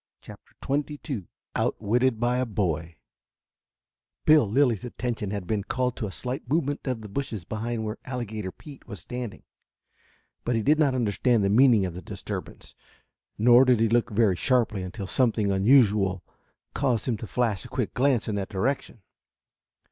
CHAPTER XXII OUTWITTED BY A BOY Bill Lilly's attention had been called to a slight movement of the bushes behind where Alligator Pete was standing, but he did not understand the meaning of the disturbance, nor did he look very sharply until something unusual caused him to flash a quick glance in that direction.